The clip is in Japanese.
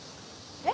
え？